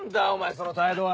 その態度は！